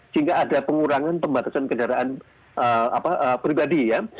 sehingga ada pengurangan pembatasan kendaraan pribadi ya